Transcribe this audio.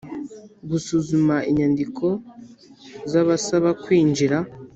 Gusuzuma inyandiko z abasaba kwinjira